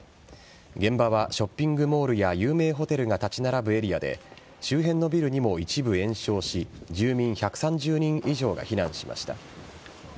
現場はショッピングモールや有名ホテルが立ち並ぶエリアで周辺のビルにも一部延焼し住民１３０人以上が避難しました。